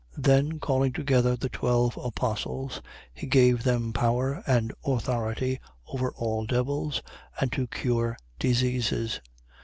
9:1. Then calling together the twelve apostles, he gave them power and authority over all devils and to cure diseases.